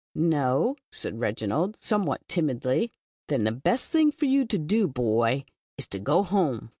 " "No," said Reginald, somewhat timidly. *'Then the best thin.^ for vou to do. bov, is to go home.